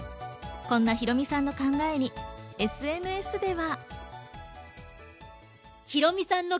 こんなヒロミさんの考えにＳＮＳでは。